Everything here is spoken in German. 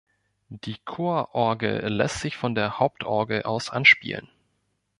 Die Chororgel lässt sich von der Hauptorgel aus anspielen.